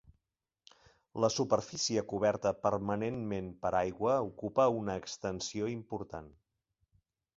La superfície coberta permanentment per aigua ocupa una extensió important.